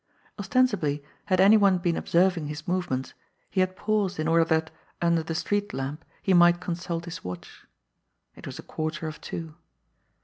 Ostensibly, had any one been observing his movements, he had paused in order that, under the street lamp, he might consult his watch. It was a quarter of two.